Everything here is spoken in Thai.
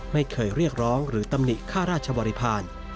ไม่เคยเรียกร้องหรือตำหนิข้าราชบริพาณ